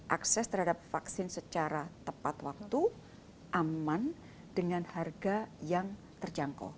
akses terhadap vaksin secara tepat waktu aman dengan harga yang terjangkau